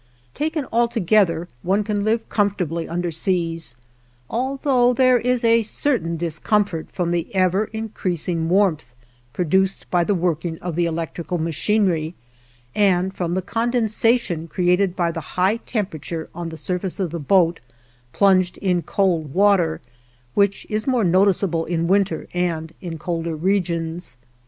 Taken altogether one can live comfortably underseas, although there is a certain discomfort from the ever increasing warmth produced by the working of the electrical machinery, and from the condensation created by the high temperature on the surface of the boat plunged in cold water, which is more noticeable in winter and in colder regions.